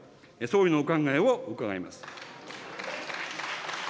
総理のお考えを伺います。